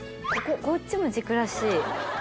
こっちも軸らしい。